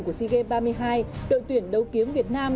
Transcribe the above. của sea games ba mươi hai đội tuyển đấu kiếm việt nam